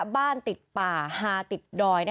บ้านติดป่าฮาติดดอย